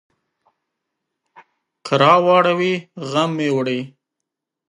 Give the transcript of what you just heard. که راواړوي، غم مې وړي.